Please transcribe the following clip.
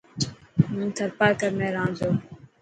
هون ٿرپارڪر ۾ رهان ٿو.